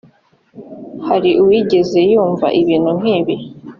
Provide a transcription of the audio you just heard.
hari uwigeze yumva ibintu nk’ibi?